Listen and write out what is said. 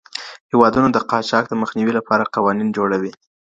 هیوادونه د قاچاق د مخنیوي لپاره قوانین جوړوي.